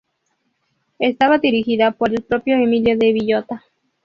Estaba dirigida por el propio Emilio de Villota.